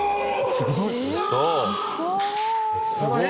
すごい。